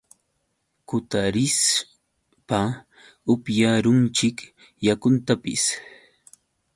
kutarishpa upyarunchik yakuntapis.